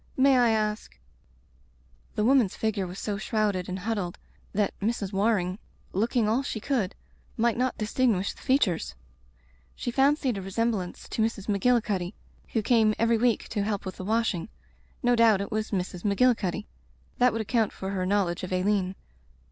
May I ask " The woman's figure was so shrouded and huddled that Mrs. Waring, looking all she could, might not distinguish the features. She fancied a resemblance to Mrs. Magilli cuddy who came every week to help with the washing. No doubt it was Mrs. Magilli cuddy. That would account for her knowl edge of Aileen.